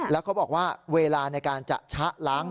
แล้วเขาบอกว่าเวลาในการจะชะล้าง